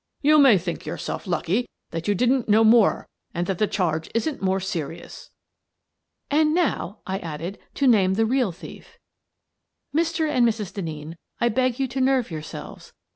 "You may think yourself lucky that you didn't know more and that the charge isn't more serious." " And now," I added, " to name the real thief. Mr. and Mrs. Denneen, I beg you to nerve your selves.